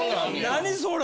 何それ。